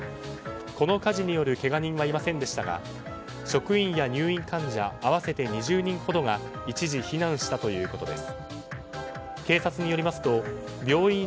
この火事によるけが人はいませんでしたが職員や入院患者合わせて２０人ほどが一時、避難したということです。